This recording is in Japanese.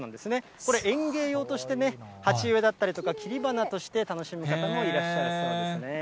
これ、園芸用としてね、鉢植えだったりとか、切り花として楽しむ方もいらっしゃるそうですね。